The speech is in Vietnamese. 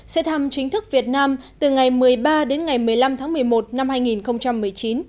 sẽ thăm chính thức việt nam từ ngày một mươi ba đến ngày một mươi năm tháng một mươi một năm hai nghìn một mươi chín